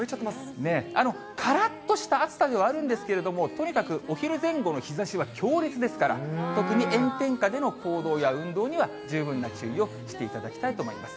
からっとした暑さではあるんですけれども、とにかくお昼前後の日ざしは強烈ですから、特に炎天下での行動や、運動には十分な注意をしていただきたいと思います。